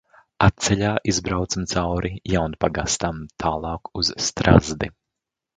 Atceļā izbraucam cauri Jaunpagastam. Tālāk uz Strazdi.